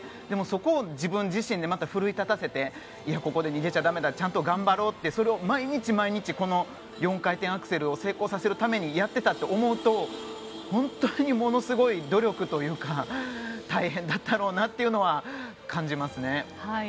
でも、そこを自分自身で奮い立たせてここで逃げちゃだめだちゃんと頑張ろうって毎日毎日、４回転アクセルを成功させるためにやっていたと思うと本当に、ものすごい努力というか大変だったろうなというのは感じますね。